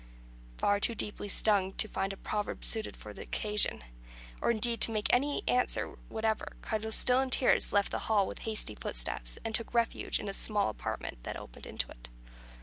Far too deeply stung to find a proverb suited to the occasion, or indeed to make any answer whatever, Carlos, still in tears, left the hall with hasty footsteps, and took refuge in a smaller apartment that opened into it.